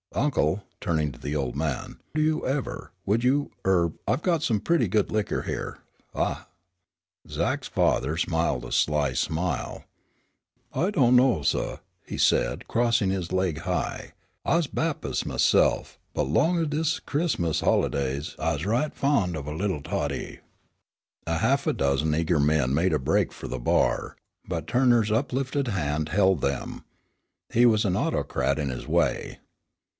Uncle," turning to the old man, "do you ever would you er. I've got some pretty good liquor here, ah " Zach's father smiled a sly smile. "I do' know, suh," he said, crossing his leg high. "I's Baptis' mys'f, but 'long o' dese Crismus holidays I's right fond of a little toddy." A half dozen eager men made a break for the bar, but Turner's uplifted hand held them. He was an autocrat in his way.